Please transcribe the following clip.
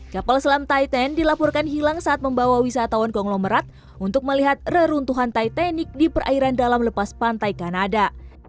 kapal selam titan dilaporkan hilang saat membawa wisatawan konglomerat untuk melihat reruntuhan titanic di perairan dalam lepas pantai kanada